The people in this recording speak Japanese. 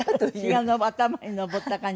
血が頭に上った感じ？